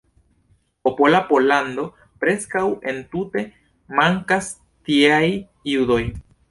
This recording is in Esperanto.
Popola Pollando preskaŭ entute mankas tieaj judoj.